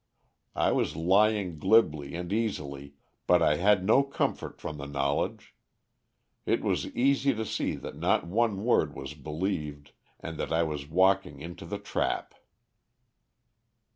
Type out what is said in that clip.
I was lying glibly and easily, but I had no comfort from the knowledge. It was easy to see that not one word was believed, and that I was walking into the trap.